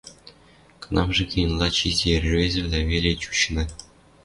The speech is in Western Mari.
Кынамжы гӹнь лач изи ӹӹрвезӹвлӓлӓ веле чучына...